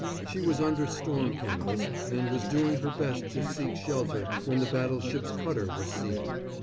She was under storm canvas, and was doing her best to seek shelter when the battleship's cutter was seen.